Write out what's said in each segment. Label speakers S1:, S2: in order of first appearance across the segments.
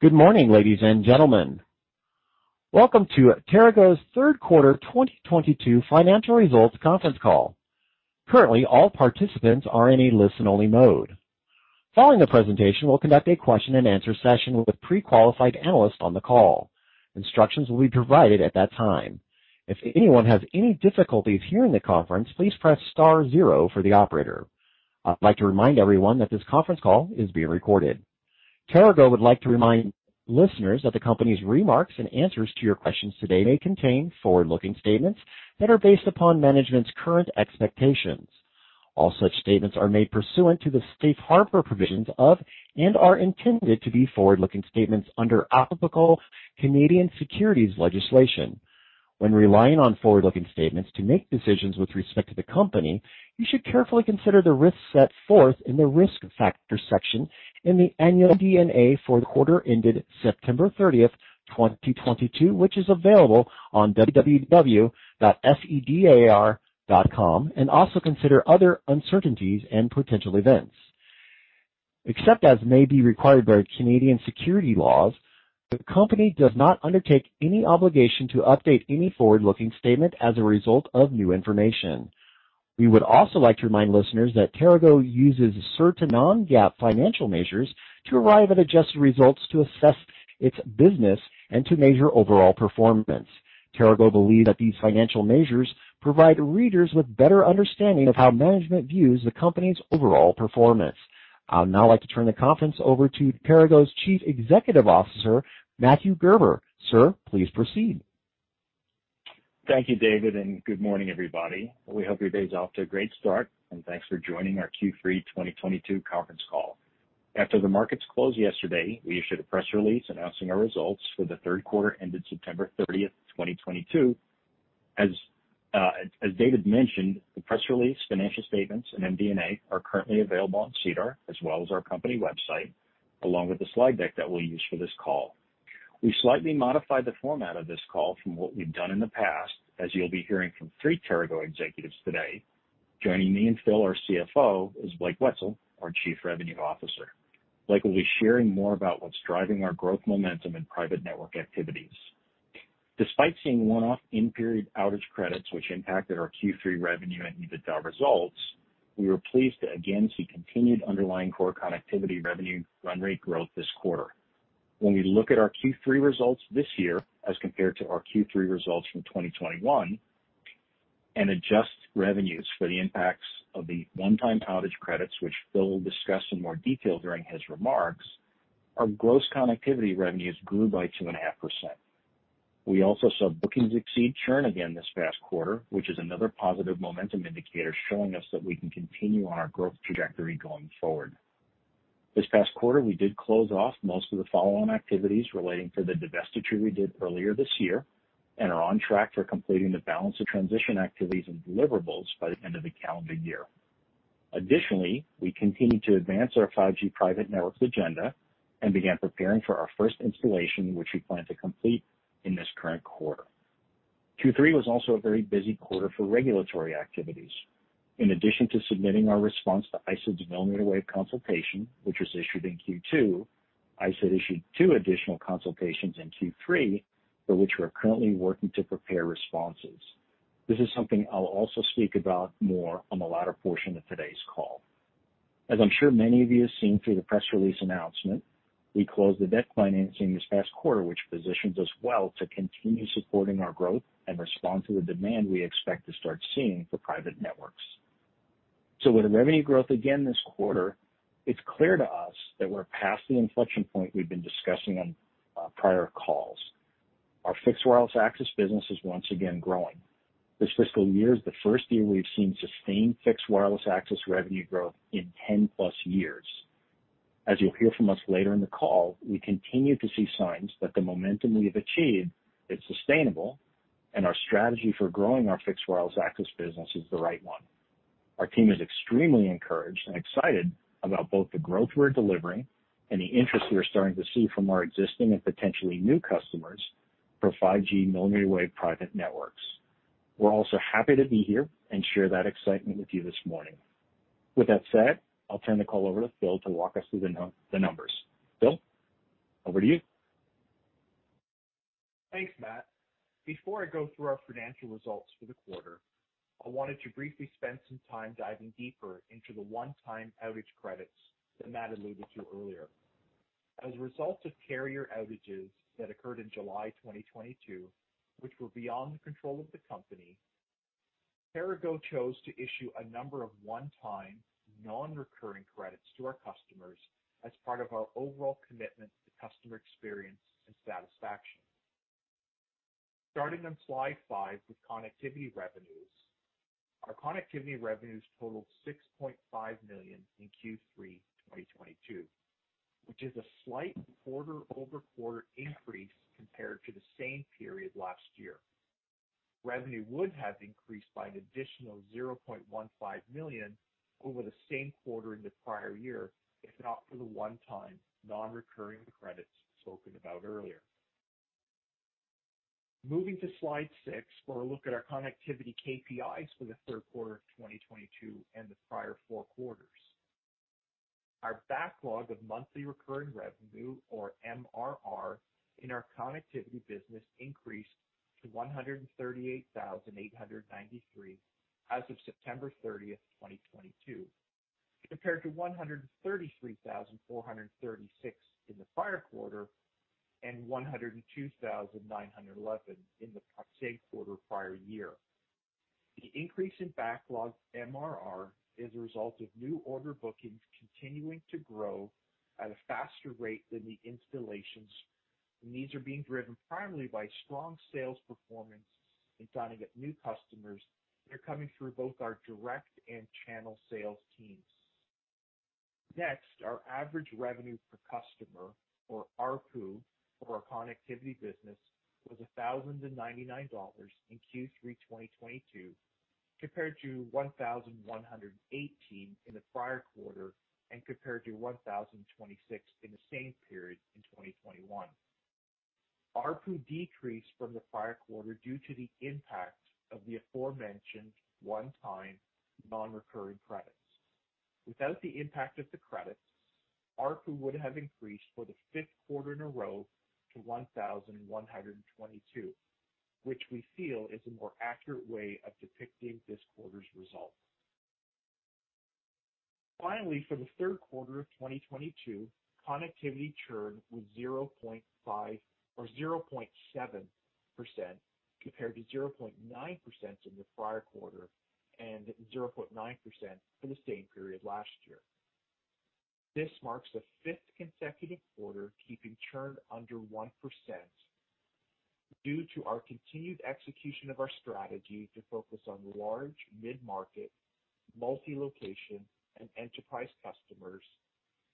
S1: Good morning, ladies and gentlemen. Welcome to Terago's third quarter 2022 financial results conference call. Currently, all participants are in a listen-only mode. Following the presentation, we'll conduct a question-and-answer session with pre-qualified analysts on the call. Instructions will be provided at that time. If anyone has any difficulties hearing the conference, please press star zero for the operator. I'd like to remind everyone that this conference call is being recorded. Terago would like to remind listeners that the company's remarks and answers to your questions today may contain forward-looking statements that are based upon management's current expectations. All such statements are made pursuant to the safe harbor provisions and are intended to be forward-looking statements under applicable Canadian securities legislation. When relying on forward-looking statements to make decisions with respect to the company, you should carefully consider the risks set forth in the Risk Factors section in the annual MD&A for the quarter ended September 30th, 2022, which is available on www.sedar.com, and also consider other uncertainties and potential events. Except as may be required by Canadian securities laws, the company does not undertake any obligation to update any forward-looking statement as a result of new information. We would also like to remind listeners that Terago uses certain non-GAAP financial measures to arrive at adjusted results to assess its business and to measure overall performance. Terago believes that these financial measures provide readers with better understanding of how management views the company's overall performance. I'd now like to turn the conference over to Terago's Chief Executive Officer, Matthew Gerber. Sir, please proceed.
S2: Thank you, David, and good morning, everybody. We hope your day is off to a great start, and thanks for joining our Q3 2022 conference call. After the markets closed yesterday, we issued a press release announcing our results for the third quarter ended September 30th, 2022. As David mentioned, the press release, financial statements, and MD&A are currently available on SEDAR as well as our company website, along with the slide deck that we'll use for this call. We slightly modified the format of this call from what we've done in the past, as you'll be hearing from three Terago executives today. Joining me and Phil, our CFO, is Blake Wetzel, our Chief Revenue Officer. Blake will be sharing more about what's driving our growth momentum in private network activities. Despite seeing one-off in-period outage credits which impacted our Q3 revenue and EBITDA results, we were pleased to again see continued underlying core connectivity revenue run rate growth this quarter. When we look at our Q3 results this year as compared to our Q3 results from 2021, and adjust revenues for the impacts of the one-time outage credits, which Phil will discuss in more detail during his remarks, our gross connectivity revenues grew by 2.5%. We also saw bookings exceed churn again this past quarter, which is another positive momentum indicator showing us that we can continue on our growth trajectory going forward. This past quarter, we did close off most of the follow-on activities relating to the divestiture we did earlier this year and are on track for completing the balance of transition activities and deliverables by the end of the calendar year. Additionally, we continued to advance our 5G private networks agenda and began preparing for our first installation, which we plan to complete in this current quarter. Q3 was also a very busy quarter for regulatory activities. In addition to submitting our response to ISED's millimeter wave consultation, which was issued in Q2, ISED issued two additional consultations in Q3, for which we're currently working to prepare responses. This is something I'll also speak about more on the latter portion of today's call. As I'm sure many of you have seen through the press release announcement, we closed the debt financing this past quarter, which positions us well to continue supporting our growth and respond to the demand we expect to start seeing for private networks. With revenue growth again this quarter, it's clear to us that we're past the inflection point we've been discussing on prior calls. Our fixed wireless access business is once again growing. This fiscal year is the first year we've seen sustained fixed wireless access revenue growth in 10+ years. As you'll hear from us later in the call, we continue to see signs that the momentum we have achieved is sustainable, and our strategy for growing our fixed wireless access business is the right one. Our team is extremely encouraged and excited about both the growth we're delivering and the interest we are starting to see from our existing and potentially new customers for 5G millimeter wave private networks. We're also happy to be here and share that excitement with you this morning. With that said, I'll turn the call over to Phil to walk us through the numbers. Phil, over to you.
S3: Thanks Matt. Before I go through our financial results for the quarter, I wanted to briefly spend some time diving deeper into the one-time outage credits that Matt alluded to earlier. As a result of carrier outages that occurred in July 2022, which were beyond the control of the company, Terago chose to issue a number of one-time non-recurring credits to our customers as part of our overall commitment to customer experience and satisfaction. Starting on slide five with connectivity revenues. Our connectivity revenues totaled 6.5 million in Q3 2022, which is a slight quarter-over-quarter increase compared to the same period last year. Revenue would have increased by an additional 0.15 million over the same quarter in the prior year, if not for the one-time non-recurring credits spoken about earlier. Moving to slide six for a look at our connectivity KPIs for the third quarter of 2022 and the prior four quarters. Our backlog of monthly recurring revenue or MRR in our connectivity business increased to 138,893 as of September 30th, 2022, compared to 133,436 in the prior quarter and 102,911 in the same quarter prior year. The increase in backlogged MRR is a result of new order bookings continuing to grow at a faster rate than the installations, and these are being driven primarily by strong sales performance in signing up new customers that are coming through both our direct and channel sales teams. Our average revenue per customer, or ARPU, for our connectivity business was 1,099 dollars in Q3 2022, compared to 1,118 in the prior quarter and compared to 1,026 in the same period in 2021. ARPU decreased from the prior quarter due to the impact of the aforementioned one-time non-recurring credits. Without the impact of the credits, ARPU would have increased for the fifth quarter in a row to 1,122, which we feel is a more accurate way of depicting this quarter's results. For the third quarter of 2022, connectivity churn was 0.5% or 0.7% compared to 0.9% in the prior quarter and 0.9% for the same period last year. This marks the fifth consecutive quarter keeping churn under 1% due to our continued execution of our strategy to focus on large mid-market, multi-location, and enterprise customers,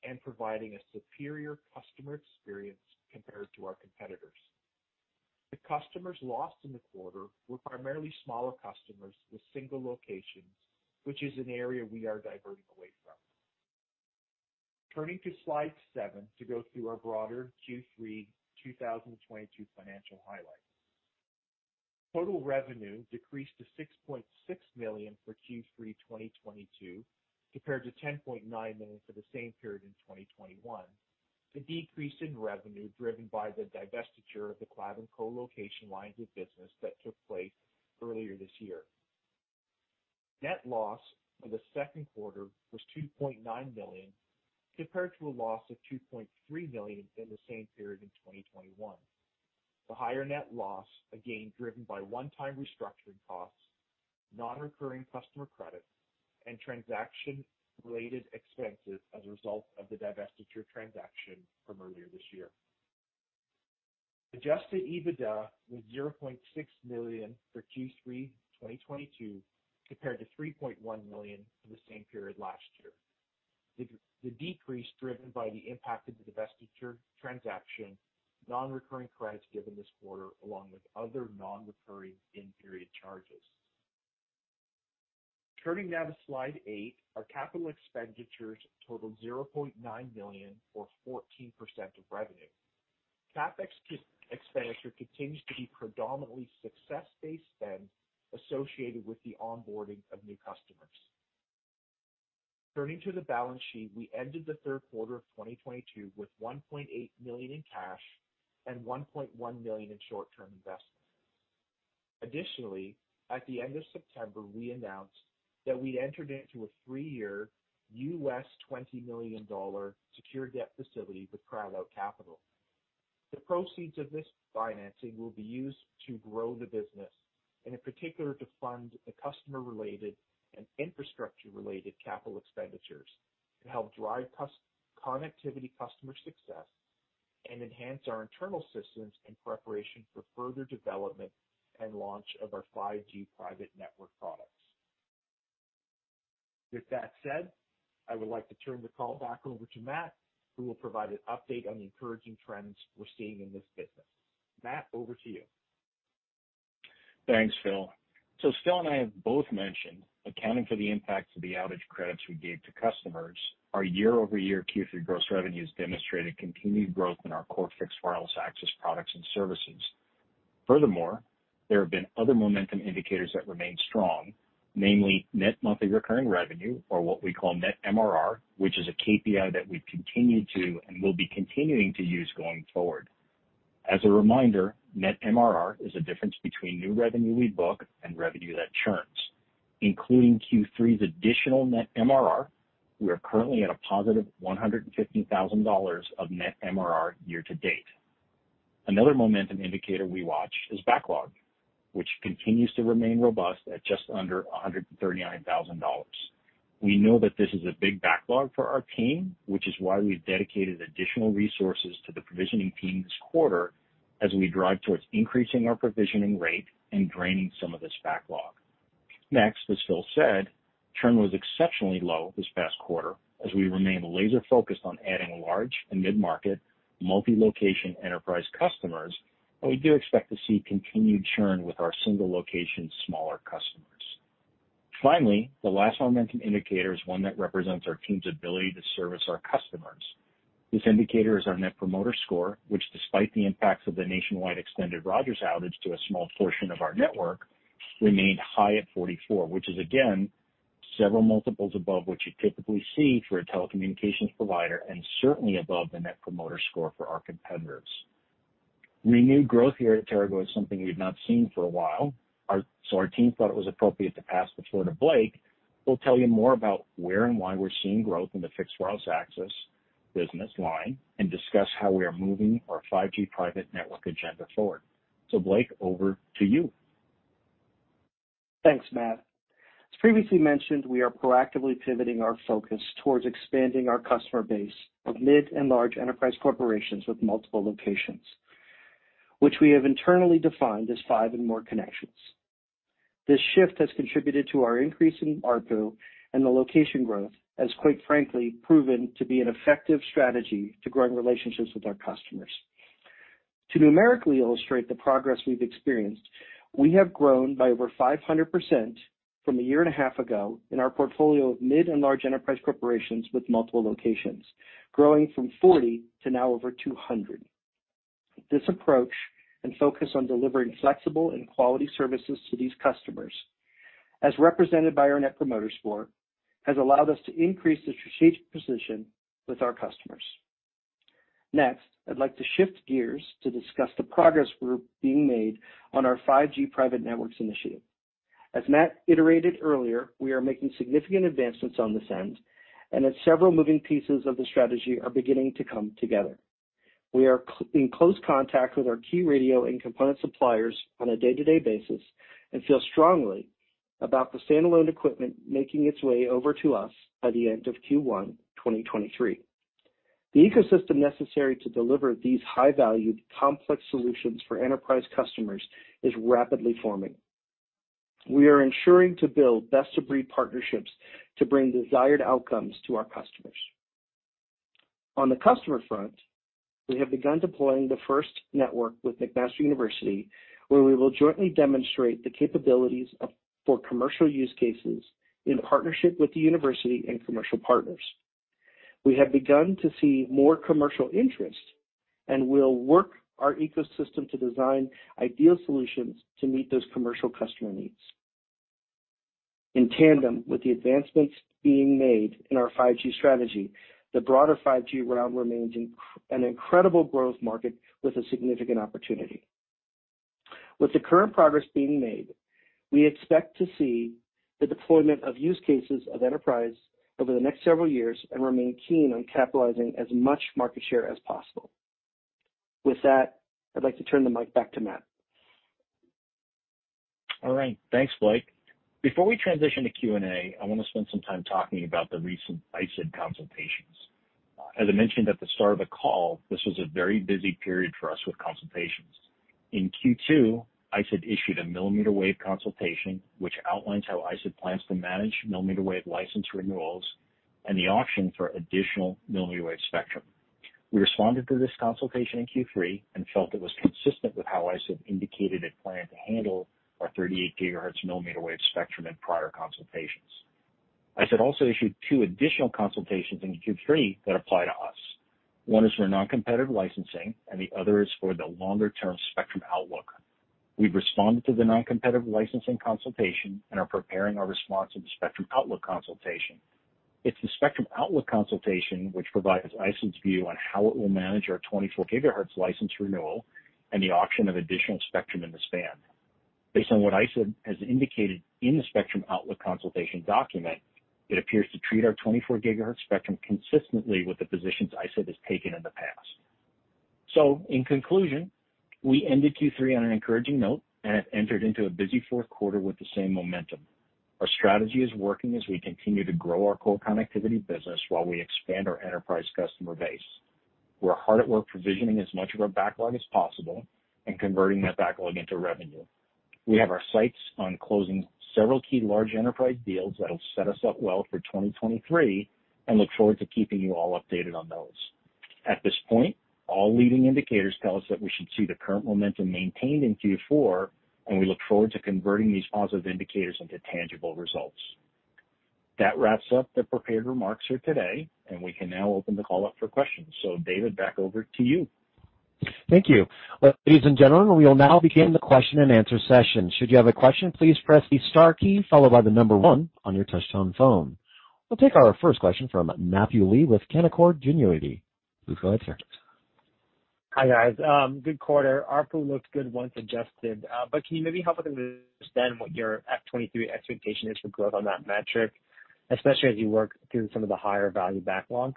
S3: and providing a superior customer experience compared to our competitors. The customers lost in the quarter were primarily smaller customers with single locations, which is an area we are diverting away from. Turning to slide seven to go through our broader Q3 2022 financial highlights. Total revenue decreased to 6.6 million for Q3 2022, compared to 10.9 million for the same period in 2021. The decrease in revenue driven by the divestiture of the cloud and colocation lines of business that took place earlier this year. Net loss for the second quarter was 2.9 million, compared to a loss of 2.3 million in the same period in 2021. The higher net loss, again, driven by one-time restructuring costs, non-recurring customer credits, and transaction-related expenses as a result of the divestiture transaction from earlier this year. Adjusted EBITDA was 0.6 million for Q3 2022, compared to 3.1 million for the same period last year. The decrease driven by the impact of the divestiture transaction, non-recurring credits given this quarter, along with other non-recurring in-period charges. Turning now to slide eight. Our capital expenditures totaled 0.9 million or 14% of revenue. CapEx expenditure continues to be predominantly success-based spend associated with the onboarding of new customers. Turning to the balance sheet, we ended the third quarter of 2022 with 1.8 million in cash and 1.1 million in short-term investments. Additionally, at the end of September, we announced that we'd entered into a three-year $20 million secured debt facility with Pride Capital. The proceeds of this financing will be used to grow the business and in particular to fund the customer-related and infrastructure-related capital expenditures to help drive customer connectivity customer success, and enhance our internal systems in preparation for further development and launch of our 5G private network products. With that said, I would like to turn the call back over to Matt, who will provide an update on the encouraging trends we're seeing in this business. Matt, over to you.
S2: Thanks Phil. Phil and I have both mentioned accounting for the impacts of the outage credits we gave to customers. Our year-over-year Q3 gross revenues demonstrated continued growth in our core fixed wireless access products and services. Furthermore, there have been other momentum indicators that remain strong, namely net monthly recurring revenue, or what we call net MRR, which is a KPI that we've continued to and will be continuing to use going forward. As a reminder, net MRR is a difference between new revenue we book and revenue that churns. Including Q3's additional net MRR, we are currently at a +150,000 dollars of net MRR year to date. Another momentum indicator we watch is backlog, which continues to remain robust at just under 139,000 dollars. We know that this is a big backlog for our team, which is why we've dedicated additional resources to the provisioning team this quarter as we drive towards increasing our provisioning rate and draining some of this backlog. Next, as Phil said, churn was exceptionally low this past quarter as we remain laser-focused on adding large and mid-market multi-location enterprise customers, but we do expect to see continued churn with our single location smaller customers. Finally, the last momentum indicator is one that represents our team's ability to service our customers. This indicator is our net promoter score, which despite the impacts of the nationwide extended Rogers outage to a small portion of our network, remained high at 44, which is again several multiples above what you typically see for a telecommunications provider and certainly above the net promoter score for our competitors. Renewed growth here at Terago is something we've not seen for a while. Our team thought it was appropriate to pass the floor to Blake, who will tell you more about where and why we're seeing growth in the fixed wireless access business line, and discuss how we are moving our 5G private network agenda forward. Blake, over to you.
S4: Thanks Matt. As previously mentioned, we are proactively pivoting our focus towards expanding our customer base of mid and large enterprise corporations with multiple locations, which we have internally defined as five and more connections. This shift has contributed to our increase in ARPU, and the location growth has quite frankly proven to be an effective strategy to growing relationships with our customers. To numerically illustrate the progress we've experienced, we have grown by over 500% from a year and a half ago in our portfolio of mid and large enterprise corporations with multiple locations, growing from 40 to now over 200. This approach and focus on delivering flexible and quality services to these customers, as represented by our net promoter score, has allowed us to increase the strategic position with our customers. Next, I'd like to shift gears to discuss the progress being made on our 5G private networks initiative. As Matt iterated earlier, we are making significant advancements on this end, and that several moving pieces of the strategy are beginning to come together. We are in close contact with our key radio and component suppliers on a day-to-day basis and feel strongly about the standalone equipment making its way over to us by the end of Q1 2023. The ecosystem necessary to deliver these high-value, complex solutions for enterprise customers is rapidly forming. We are ensuring to build best-of-breed partnerships to bring desired outcomes to our customers. On the customer front, we have begun deploying the first network with McMaster University, where we will jointly demonstrate the capabilities for commercial use cases in partnership with the university and commercial partners. We have begun to see more commercial interest, and we'll work our ecosystem to design ideal solutions to meet those commercial customer needs. In tandem with the advancements being made in our 5G strategy, the broader 5G realm remains an incredible growth market with a significant opportunity. With the current progress being made, we expect to see the deployment of use cases of enterprise over the next several years and remain keen on capitalizing as much market share as possible. With that, I'd like to turn the mic back to Matt.
S2: All right. Thanks Blake. Before we transition to Q&A, I wanna spend some time talking about the recent ISED consultations. As I mentioned at the start of the call, this was a very busy period for us with consultations. In Q2, ISED issued a millimeter wave consultation, which outlines how ISED plans to manage millimeter wave license renewals and the auction for additional millimeter wave spectrum. We responded to this consultation in Q3 and felt it was consistent with how ISED indicated it planned to handle our 38 GHz millimeter wave spectrum in prior consultations. ISED also issued two additional consultations in Q3 that apply to us. One is for non-competitive licensing, and the other is for the longer-term spectrum outlook. We've responded to the non-competitive licensing consultation and are preparing our response to the spectrum outlook consultation. It's the spectrum outlook consultation which provides ISED's view on how it will manage our 24 GHz license renewal and the auction of additional spectrum in the 28 GHz. Based on what ISED has indicated in the spectrum outlook consultation document, it appears to treat our 24 GHz spectrum consistently with the positions ISED has taken in the past. In conclusion, we ended Q3 on an encouraging note and have entered into a busy fourth quarter with the same momentum. Our strategy is working as we continue to grow our core connectivity business while we expand our enterprise customer base. We're hard at work provisioning as much of our backlog as possible and converting that backlog into revenue. We have our sights on closing several key large enterprise deals that'll set us up well for 2023 and look forward to keeping you all updated on those. At this point, all leading indicators tell us that we should see the current momentum maintained in Q4, and we look forward to converting these positive indicators into tangible results. That wraps up the prepared remarks for today, and we can now open the call up for questions. David, back over to you.
S1: Thank you. Ladies and gentlemen, we will now begin the question-and-answer session. Should you have a question, please press the star key followed by the number one on your touchtone phone. We'll take our first question from Matthew Lee with Canaccord Genuity. Please go ahead, sir.
S5: Hi, guys. Good quarter. ARPU looked good once adjusted. Can you maybe help us understand what your 2023 expectation is for growth on that metric, especially as you work through some of the higher value backlog?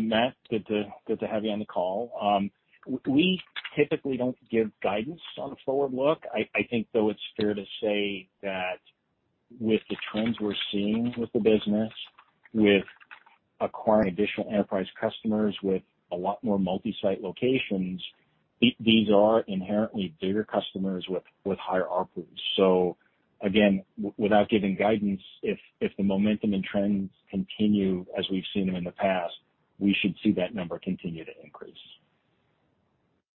S2: Matt, good to have you on the call. We typically don't give guidance on the forward look. I think though it's fair to say that with the trends we're seeing with the business, with acquiring additional enterprise customers with a lot more multi-site locations, these are inherently bigger customers with higher ARPUs. Again, without giving guidance, if the momentum and trends continue as we've seen them in the past, we should see that number continue to increase.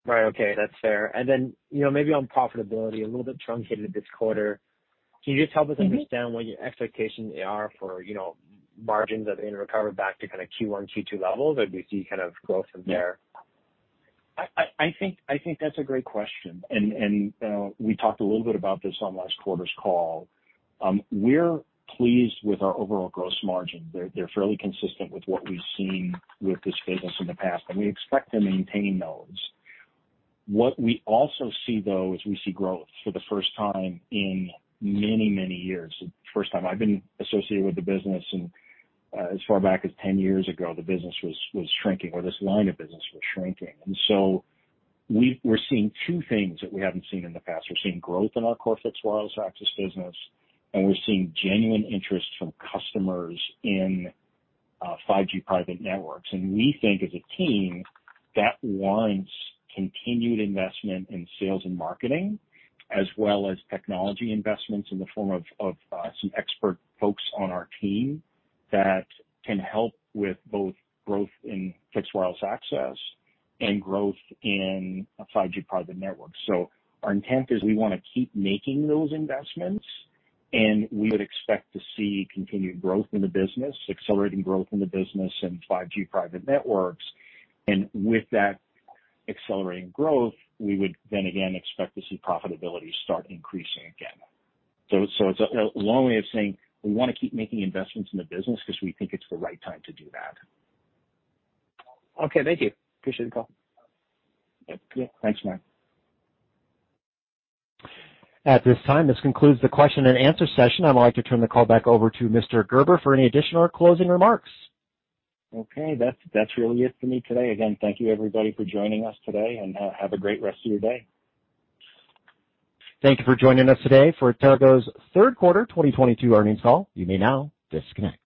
S5: Right. Okay, that's fair. You know, maybe on profitability, a little bit truncated this quarter. Can you just help us understand what your expectations are for, you know, margins that then recover back to kinda Q1, Q2 levels or do we see kind of growth from there?
S2: I think that's a great question, and we talked a little bit about this on last quarter's call. We're pleased with our overall gross margin. They're fairly consistent with what we've seen with this business in the past, and we expect to maintain those. What we also see, though, is we see growth for the first time in many years. The first time I've been associated with the business and, as far back as 10 years ago, the business was shrinking, or this line of business was shrinking. We're seeing two things that we haven't seen in the past. We're seeing growth in our core fixed wireless access business, and we're seeing genuine interest from customers in 5G private networks. We think, as a team, that warrants continued investment in sales and marketing, as well as technology investments in the form of some expert folks on our team that can help with both growth in fixed wireless access and growth in 5G private networks. Our intent is we wanna keep making those investments, and we would expect to see continued growth in the business, accelerating growth in the business in 5G private networks. With that accelerating growth, we would then again expect to see profitability start increasing again. It's a long way of saying we wanna keep making investments in the business 'cause we think it's the right time to do that.
S5: Okay. Thank you. Appreciate the call.
S2: Yeah. Thanks Matt.
S1: At this time, this concludes the question and answer session. I'd like to turn the call back over to Mr. Gerber for any additional or closing remarks.
S2: Okay. That's really it for me today. Again, thank you everybody for joining us today, and have a great rest of your day.
S1: Thank you for joining us today for Terago's third quarter 2022 earnings call. You may now disconnect.